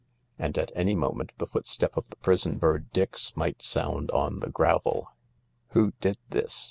And at any moment the footstep of the prison bird Dix might sound on the gravel. "Who did this